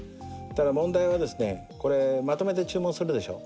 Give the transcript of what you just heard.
ただ問題はですねこれまとめて注文するでしょ。